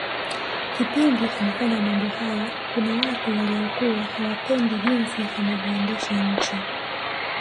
kipindi anafanya mambo hayo Kuna watu waliokuwa hawapendi jinsi anavyoendesha nchi